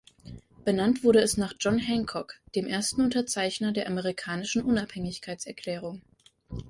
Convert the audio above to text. Benannt wurde es nach John Hancock, dem ersten Unterzeichner der amerikanischen Unabhängigkeitserklärung.